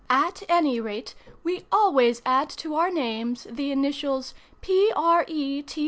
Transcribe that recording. At any rate we always add to our names the initials P. R. E.